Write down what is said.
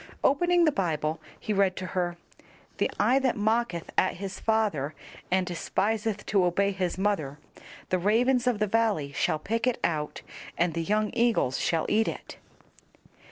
Opening the Bible, he read to her, "The eye that mocketh at his father and despiseth to obey his mother, the ravens of the valley shall pick it out, and the young eagles shall eat it."